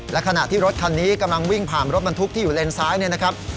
และขณะที่รถคันนี้กำลังวิ่งผ่านรถบรรทุกที่อยู่เลนซ้ายเนี่ยนะครับ